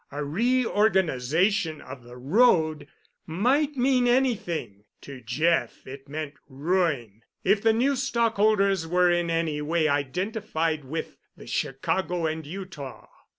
A reorganization of the road might mean anything—to Jeff it meant ruin, if the new stockholders were in any way identified with the Chicago and Utah.